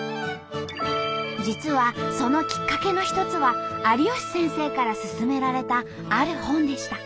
実はそのきっかけの一つは有吉先生からすすめられたある本でした。